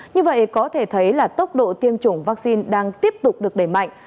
như vậy có thể thấy là tốc độ tiêm chủng vaccine đang tiếp tục được đẩy mạnh